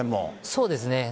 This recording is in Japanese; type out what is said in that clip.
そうですね。